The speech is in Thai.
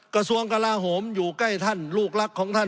กระทรวงกลาโหมอยู่ใกล้ท่านลูกรักของท่าน